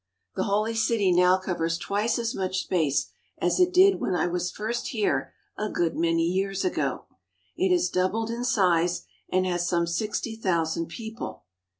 The Holy City now covers twice as much space as it did when I was first here a good many years ago. It has doubled in size and has some sixty thousand people.